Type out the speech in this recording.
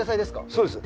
そうです。